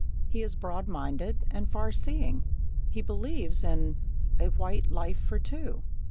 He is broad minded, and far seeing he believes in "a white life for two."